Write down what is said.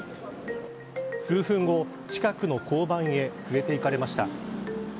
数分後、近くの交番へ連れて行かれました。